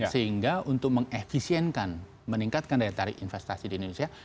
sehingga untuk mengefisienkan meningkatkan daya tarik investasi di indonesia